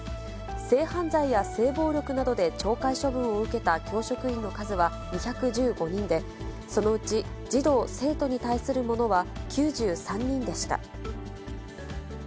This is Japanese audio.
性犯罪や性暴力などで懲戒処分を受けた教職員の数は２１５人で、そのうち、児童・生徒に対するものは９３人でした。